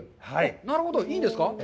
なるほど、いいんですか？